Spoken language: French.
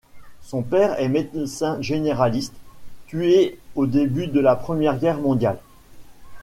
Son père est médecin généraliste, tué au début de la Première Guerre mondiale.